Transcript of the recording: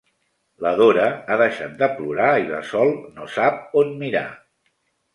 La Dora ha deixat de plorar i la Sol no sap on mirar.